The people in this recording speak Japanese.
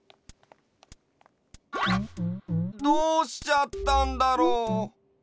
どうしちゃったんだろう？